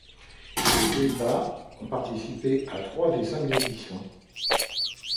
Les Pays-Bas ont participé à trois des cinq éditions.